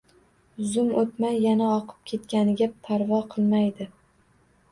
Zum o‘tmay yana oqib ketganiga parvo qilmaydi.